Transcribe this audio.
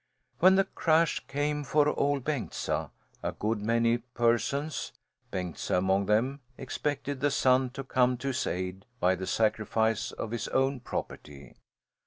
When the crash came for Ol' Bengtsa, a good many persons, Bengtsa among them, expected the son to come to his aid by the sacrifice of his own property.